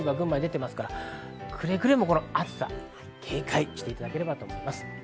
くれぐれも暑さに警戒していただければと思います。